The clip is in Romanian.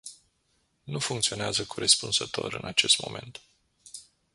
Nu funcționează corespunzător în acest moment.